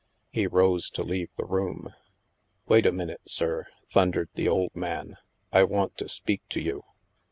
He rose to leave the room. Wait a minute, sir/' thundered the old man; I want to speak to you."